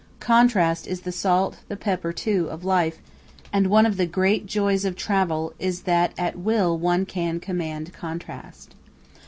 Contrast is the salt, the pepper, too, of life, and one of the great joys of travel is that at will one can command contrast.